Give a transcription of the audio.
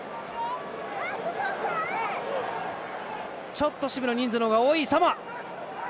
ちょっと守備の人数のほうが多いサモア。